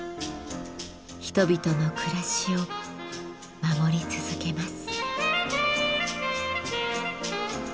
人々の暮らしを守り続けます。